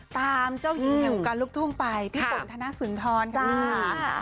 ตามเจ้าหญิงแห่งการลูกทุ่มไปที่ฝนธนาศืนธรณ์ครับ